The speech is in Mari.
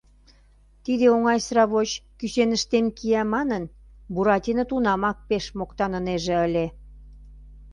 Тиде оҥай сравоч кӱсеныштем кия манын, Буратино тунамак пеш моктанынеже ыле.